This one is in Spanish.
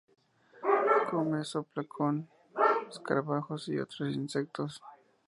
Come zooplancton, escarabajos y otros insectos.